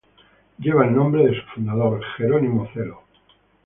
Lleva el nombre de su fundador, Gerónimo Cello.